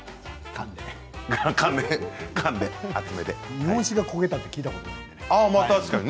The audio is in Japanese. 日本酒が焦げたって聞いたことがないので。